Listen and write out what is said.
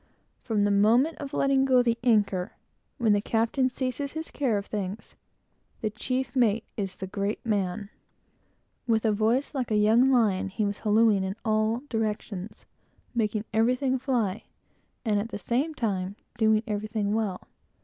From the moment of letting go the anchor, when the captain ceases his care of things, the chief mate is the great man. With a voice like a young lion, he was hallooing and bawling, in all directions, making everything fly, and, at the same time, doing everything well.